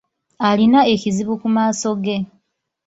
Alina ekizibu ku maaso ge.